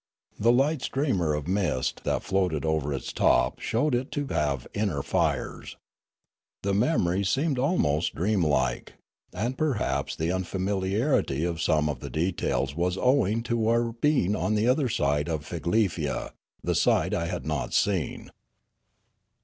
The light streamer of mist that floated over its top showed it to have inner fires. The memory seemed almost dream like, and perhaps the unfamiliarity of some of the details was owing to our being on the other side of Figlefia, the side I had not seen.